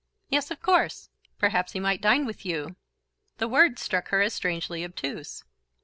"Yes, of course; perhaps he might dine with you." The words struck her as strangely obtuse.